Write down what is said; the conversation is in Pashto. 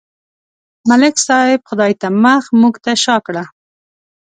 ملک صاحب خدای ته مخ، موږ ته شا کړه.